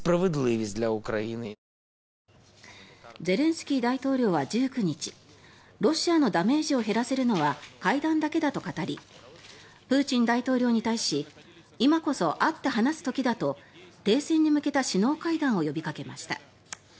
ゼレンスキー大統領は１９日ロシアのダメージを減らせるのは会談だけだと語りプーチン大統領に対し今こそ会って話す時だと停戦に向けた首脳会談を呼びかけました。